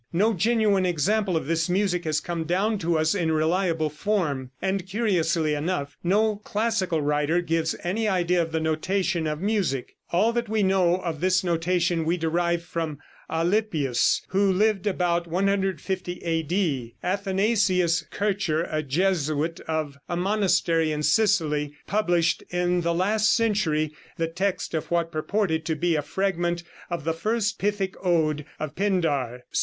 No genuine example of this music has come down to us in reliable form, and curiously enough, no classical writer gives any idea of the notation of music. All that we know of this notation we derive from Alypius, who lived about 150 A.D. Athanasius Kircher, a Jesuit of a monastery in Sicily, published in the last century the text of what purported to be a fragment of the first Pythic Ode of Pindar.